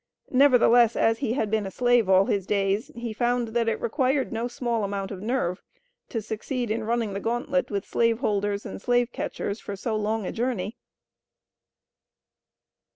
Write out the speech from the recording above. Nevertheless, as he had been a slave all his days, he found that it required no small amount of nerve to succeed in running the gauntlet with slave holders and slave catchers for so long a journey.